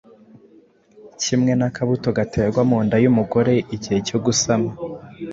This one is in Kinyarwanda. Kimwe n’akabuto gaterwa mu nda y’umugore igihe cyo gusama,